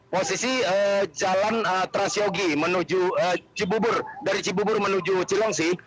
posisi jalan transyogi menuju cibubur dari cibubur menuju cilongsi